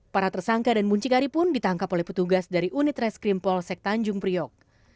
para tersangka dan muncikari pun ditangkap oleh petugas dari unit reskrim polsek tanjung priok